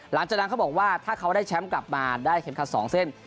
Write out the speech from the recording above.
หลังจากนั้นเขาบอกว่าถ้าเขาได้แชมป์กลับมาได้เข็มขัด๒เส้น